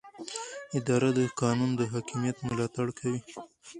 اداره د قانون د حاکمیت ملاتړ کوي.